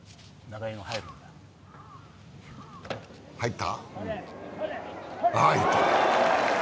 入った。